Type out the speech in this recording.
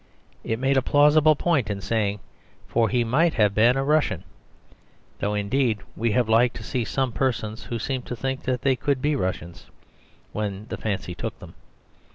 It made a plausible point in say ing "For he might have been a Russian"; though indeed we have lived to see some per sons who seemed to think they could be Rus sians when the fancy took them.